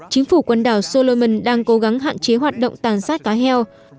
chính phủ quần đảo solomen đang cố gắng hạn chế hoạt động tàn sát cá heo